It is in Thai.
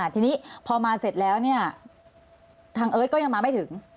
ทีนี้พอมาเสร็จแล้วเนี่ยทางเอิร์ทก็ยังมาไม่ถึง